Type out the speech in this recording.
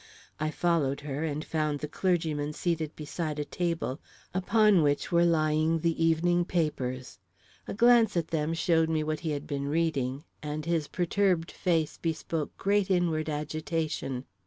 I followed her and found the clergyman seated beside a table upon which were lying the evening papers. A glance at them showed me what he had been reading, and his perturbed face bespoke great inward agitation.